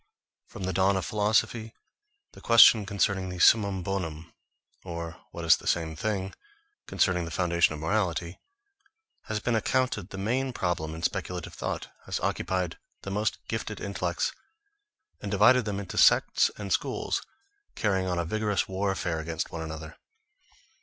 From the dawn of philosophy, the question concerning the summum bonum, or, what is the same thing, concerning the foundation of morality, has been accounted the main problem in speculative thought, has occupied the most gifted intellects, and divided them into sects and schools, carrying on a vigorous warfare against one another.